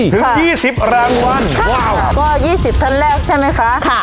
ถึงยี่สิบรางวัลใช่ว้าวก็ยี่สิบทั้งแรกใช่ไหมคะค่ะ